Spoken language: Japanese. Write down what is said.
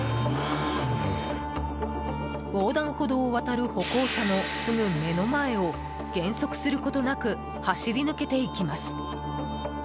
横断歩道を渡る歩行者のすぐ目の前を減速することなく走り抜けていきます。